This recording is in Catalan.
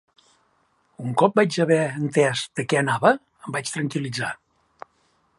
Un cop vaig haver entès de què anava em vaig tranquil·litzar.